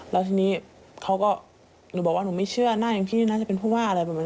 แล้วทีนี้เขาก็หนูบอกว่าหนูไม่เชื่อหน้าอย่างพี่น่าจะเป็นผู้ว่าอะไรประมาณนี้